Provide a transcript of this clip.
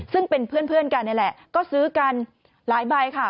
ซึ่งเป็นเพื่อนกันนี่แหละก็ซื้อกันหลายใบค่ะ